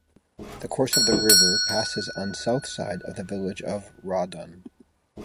The course of the river passes on South side of the village of Rawdon.